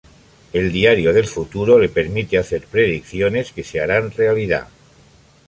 El diario del futuro le permite hacer predicciones que se harán realidad.